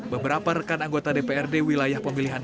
beberapa rekan anggota dprd wilayah pemilihan